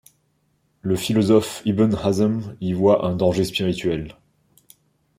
Le philosophe Ibn Hazm y voit un danger spirituel.